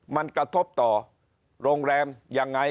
มันกระทบต่อโรงแรมยังไง